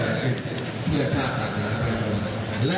ไม่ใช่เพื่อนอะไร